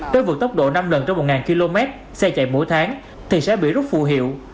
tới vượt tốc độ năm lần trong một km xe chạy mỗi tháng thì sẽ bị rút phụ hiệu